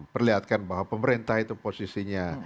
perlihatkan bahwa pemerintah itu posisinya